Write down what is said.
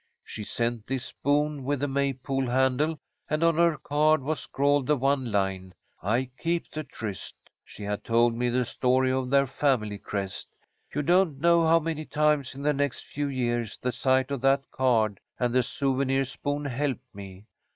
She sent this spoon with the May pole handle, and on her card was scrawled the one line, 'I keep the tryst.' She had told me the story of their family crest. You don't know how many times in the next few years the sight of that card and the souvenir spoon helped me.